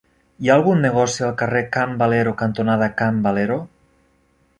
Hi ha algun negoci al carrer Can Valero cantonada Can Valero?